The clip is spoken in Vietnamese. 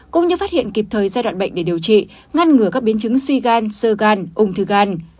cũng như phát hiện kịp thời giai đoạn bệnh để điều trị ngăn ngừa các biến chứng suy gan sơ gan ung thư gan